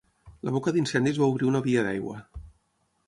La boca d'incendis va obrir una via d'aigua.